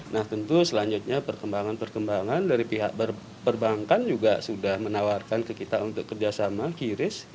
nah tentu selanjutnya perkembangan perkembangan dari pihak perbankan juga sudah menawarkan ke kita untuk kerjasama kiris